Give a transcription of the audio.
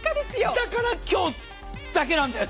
だから今日だけなんです。